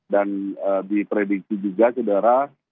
dan diprediksi juga saudara